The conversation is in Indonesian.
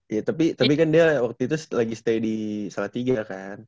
ya tapi kan dia waktu itu lagi stay di salatiga kan